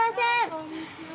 こんにちは。